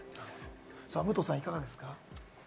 武藤さん、いかがですか？